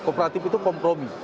kooperatif itu kompromi